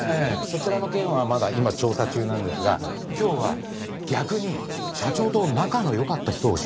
そちらの件はまだ今調査中なんですが今日は逆に社長と仲の良かった人を教えてほしいんですよ。